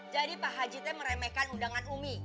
jadi pak haji teh meremehkan undangan umi